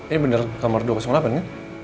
ini bener kamar dua ratus delapan kan